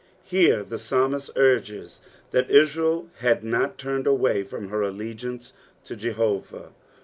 Here the paalmist urges that Israel had not turned away from her allegiance to Jehovah.